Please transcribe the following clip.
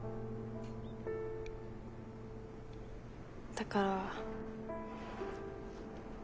だから。